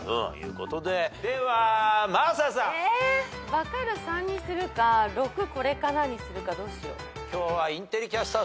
分かる３にするか６これかな？にするかどうしよう。